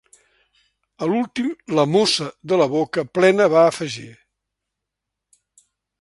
A l'últim la mossa de la boca plena va afegir